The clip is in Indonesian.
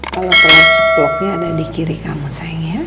kalau punya cuploknya ada di kiri kamu sayang ya